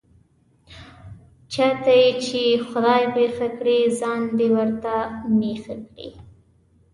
چاته یې چې خدای پېښه کړي، ځان دې ورته مېښه کړي.